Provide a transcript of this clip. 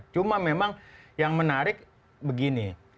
cuma memang yang menarik begini